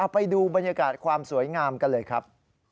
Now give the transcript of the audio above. ไปดูบรรยากาศความสวยงามกันเลยครับ